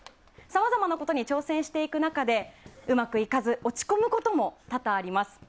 さまざまなことに挑戦していく中でうまくいかず落ち込むことも多々あります。